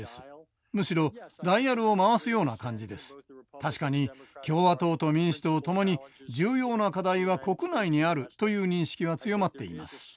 確かに共和党と民主党ともに重要な課題は国内にあるという認識は強まっています。